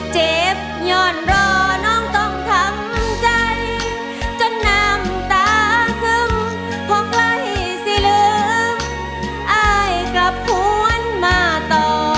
เจ็บหย่อนรอน้องต้องทำใจจนน้ำตาซึมพอใกล้สิเหลืออายกลับหวนมาต่อ